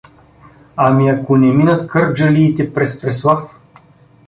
Ами ако не минат кърджалиите през Преслав?